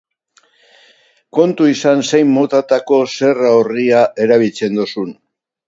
Kontu izan zein motatako zerra-orria erabiltzen duzun.